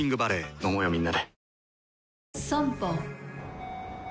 飲もうよみんなで。